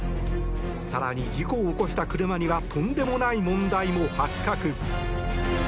更に、事故を起こした車にはとんでもない問題も発覚。